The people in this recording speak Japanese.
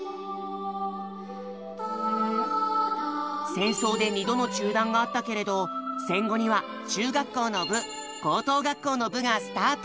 戦争で２度の中断があったけれど戦後には中学校の部高等学校の部がスタート。